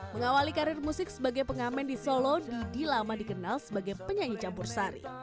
mengawali karir musik sebagai pengamen di solo didi lama dikenal sebagai penyanyi campur sari